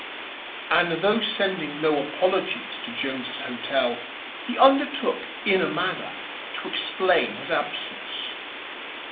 And, though sending no apologies to Jones's Hotel, he undertook in a manner to explain his absence.